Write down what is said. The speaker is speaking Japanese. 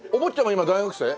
今大学生？